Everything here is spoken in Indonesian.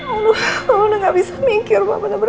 ma mama bener bener nggak bisa mikir